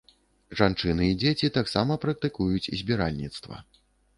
Жанчыны і дзеці таксама практыкуюць збіральніцтва.